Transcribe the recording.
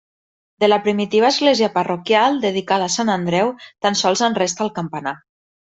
De la primitiva església parroquial, dedicada a Sant Andreu, tan sols en resta el campanar.